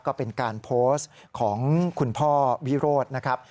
ก็เป็นการโพสต์ของคุณพ่อวิโรธนะครับ